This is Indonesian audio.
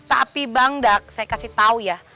tapi bangdak saya kasih tau ya